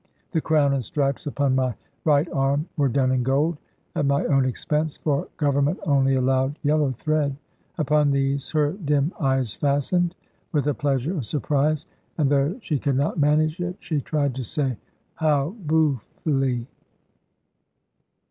The crown and stripes upon my right arm were done in gold at my own expense, for Government only allowed yellow thread. Upon these her dim eyes fastened, with a pleasure of surprise; and though she could not manage it, she tried to say, "How boofely!"